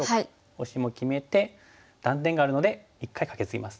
オシも決めて断点があるので一回カケツギます。